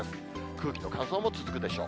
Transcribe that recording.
空気の乾燥も続くでしょう。